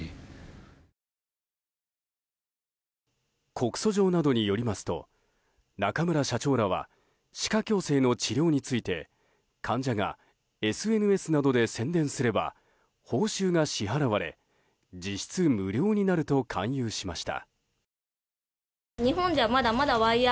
告訴状などによりますと中村社長らは歯科矯正の治療について患者がＳＮＳなどで宣伝すれば報酬が支払われ実質無料になると勧誘しました。